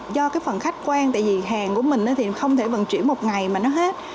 do cái phần khách quan tại vì hàng của mình thì không thể vận chuyển một ngày mà nó hết